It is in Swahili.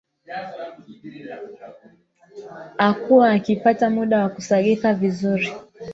akuwa hakipati muda wa kusagika vizuri